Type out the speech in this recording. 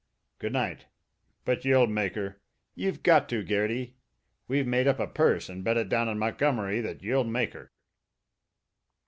Good night! But you'll make 'er. You've got to, Garrity; we've made up a purse an' bet it down in Montgomery that you'll make 'er!"